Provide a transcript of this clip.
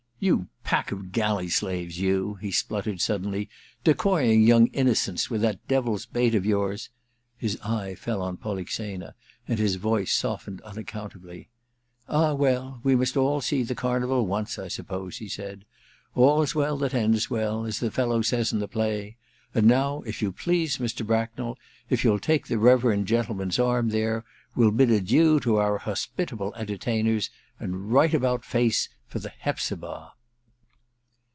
You pack of galley slaves, you !' he splutter^ suddenly, ' decoying young innocents with that Ill ENTERTAINMENT 345 devil's bait of yours * His eye fell on Polixena, and his voice softened unaccountably. * Ah, well, we must all see the Carnival once, I suppose,' he said. * All's well that ends well, as the fellow says in the play; and now, if you please, Mr. Bracknell, if you'll take the reverend gentleman's ,arm there, we'll bid adieu to our hospitable entertainers, and right about face for the Hepzibah.'